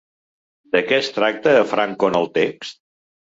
De què es tracta a Franco en el text?